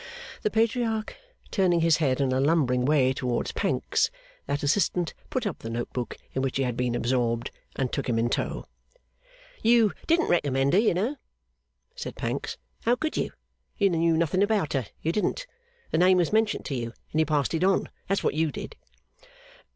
The Patriarch turning his head in a lumbering way towards Pancks, that assistant put up the note book in which he had been absorbed, and took him in tow. 'You didn't recommend her, you know,' said Pancks; 'how could you? You knew nothing about her, you didn't. The name was mentioned to you, and you passed it on. That's what you did.